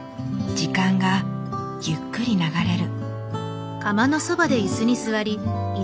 時間がゆっくり流れる。